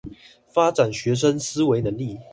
發展學生思維能力